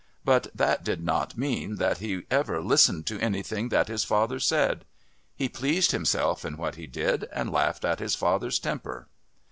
But that did not mean that he ever listened to anything that his father said. He pleased himself in what he did, and laughed at his father's temper.